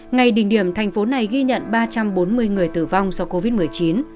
ngày đỉnh điểm thành phố này ghi nhận ba trăm bốn mươi người tử vong do covid một mươi chín